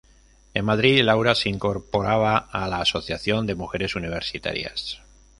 En Madrid Laura se incorporaba a la Asociación de Mujeres Universitarias.